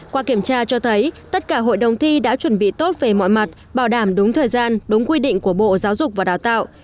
qua kiểm tra cho thấy tất cả hội đồng thi đã chuẩn bị tốt về mọi mặt bảo đảm đúng thời gian đúng quy định của bộ giáo dục và đào tạo